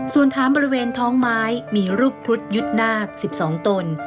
ส่วนถามบริเวณท้องไม้มีรูปพรุษยุทธ์หน้า๑๒ตน